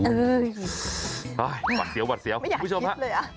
อุ้ยบัดเสียวคุณผู้ชมนะ